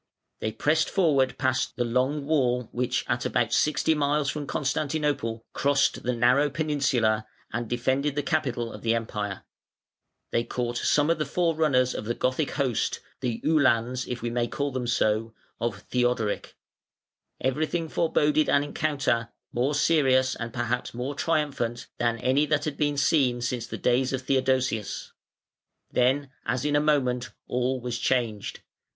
They pressed forward past the long wall which at about sixty miles from Constantinople crossed the narrow peninsula and defended the capital of the Empire; they caught some of the forerunners of the Gothic host, the Uhlans, if we may call them so, of Theodoric: everything foreboded an encounter, more serious and perhaps more triumphant than any that had been seen since the days of Theodosius. Then, as in a moment, all was changed.